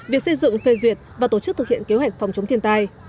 việc xây dựng phê duyệt và tổ chức thực hiện kế hoạch phòng chống thiên tai